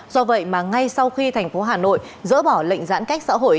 do vậy mà ngay sau khi thành phố hà nội dỡ bỏ lệnh giãn cách xã hội